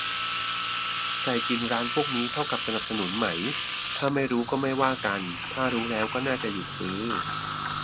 ใครกินร้านพวกนี้เท่ากับสนับสนุนไหม ถ้าไม่รู้ก็ไม่ว่ากัน ถ้ารู้แล้วก็น่าจะหยุดซื้อ